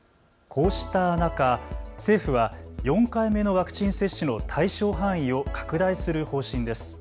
こうした中、政府は４回目のワクチン接種の対象範囲を拡大する方針です。